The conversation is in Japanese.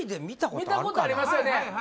見たことありますよね